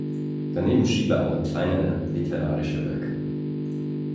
Daneben schrieb er auch kleinere literarische Werke.